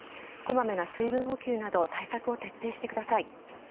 こまめな水分補給など対策を徹底してください。